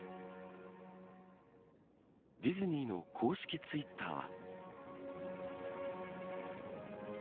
ディズニーの公式ツイッターは。